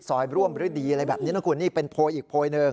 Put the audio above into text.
ร่วมฤดีอะไรแบบนี้นะคุณนี่เป็นโพยอีกโพยหนึ่ง